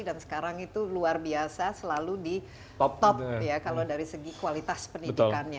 dan sekarang itu luar biasa selalu di top top ya kalau dari segi kualitas pendidikannya